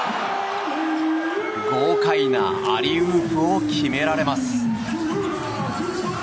豪快なアリウープを決められます。